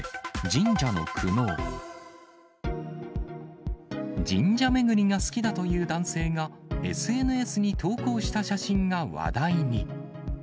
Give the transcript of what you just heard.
神社巡りが好きだという男性が、ＳＮＳに投稿した写真が話題に。